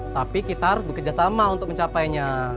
tapi kita harus bekerja sama untuk mencapainya